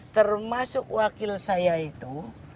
termasuk wakil saya itu